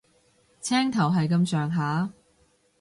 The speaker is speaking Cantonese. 青頭係咁上下